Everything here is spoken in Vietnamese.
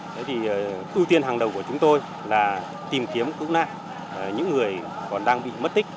thế thì ưu tiên hàng đầu của chúng tôi là tìm kiếm cứu nạn những người còn đang bị mất tích